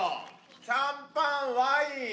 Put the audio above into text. シャンパン、ワイン。